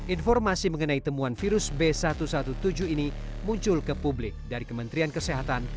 informasi mengenai temuan virus b satu satu tujuh ini muncul ke publik dari kementerian kesehatan